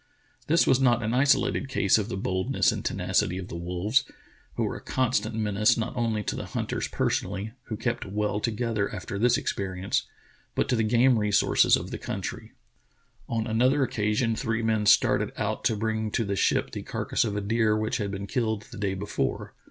This was not an isolated case of the boldness and tenacity of the wolves, who were a constant menace not only to the hunters personally — who kept well to gether after this experience — but to the game resources of the country. On another occasion three men started out to bring to the ship the carcass of a deer which had been killed the day before.